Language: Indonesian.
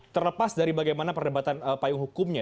terlepas dari bagaimana perdebatan payung hukumnya